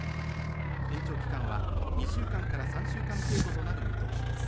延長期間は２週間から３週間程度となる見通しです。